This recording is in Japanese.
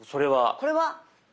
これは？